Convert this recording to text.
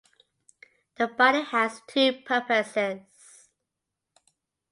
The body has two purposes.